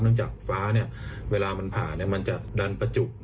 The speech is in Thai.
เนื่องจากฟ้าเวลามันผ่านมันจะดันประจุ